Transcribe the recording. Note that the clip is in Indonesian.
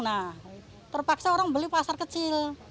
nah terpaksa orang beli pasar kecil